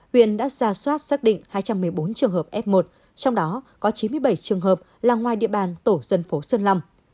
huyện đã ra soát xác định hai trăm một mươi bốn trường hợp f một trong đó có chín mươi bảy trường hợp là ngoài địa bàn tổ dân phố xuân lâm